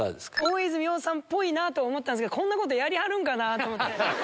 大泉洋さんっぽいとは思ったけどこんなことやるかなぁと思って。